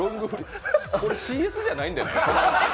これ、ＣＳじゃないんでね。